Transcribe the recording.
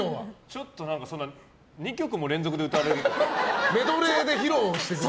ちょっと２曲も連続で歌われると。